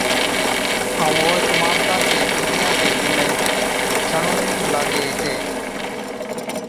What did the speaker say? ائُون اوهچ ماڻسا چي پنبڙِيان چي چُونڻي ڇئُون لاگي هِتين۔